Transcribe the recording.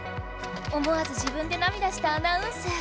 思わず自分でなみだしたアナウンス。